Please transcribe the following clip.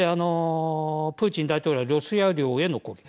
プーチン大統領はロシア領への攻撃